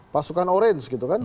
pasukan orange gitu kan